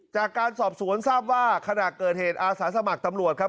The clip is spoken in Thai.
จากการสอบสวนทราบว่าขณะเกิดเหตุอาสาสมัครตำรวจครับ